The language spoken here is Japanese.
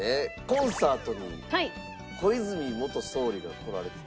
コンサートに小泉元総理が来られてた。